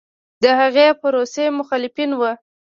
د هغې پروسې مخالفین و